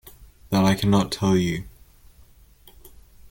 That I cannot tell you.